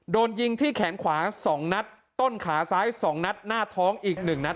โดนยิงที่แขนขวา๒นัดต้นขาซ้าย๒นัดหน้าท้องอีก๑นัด